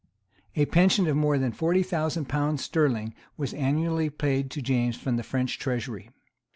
A pension of more than forty thousand pounds sterling was annually paid to James from the French Treasury.